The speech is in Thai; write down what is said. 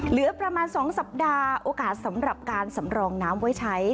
เหลือประมาณ๒สัปดาห์โอกาสสำหรับการสำรองน้ำไว้ใช้